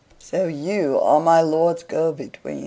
"So YOU are my lord's go between?"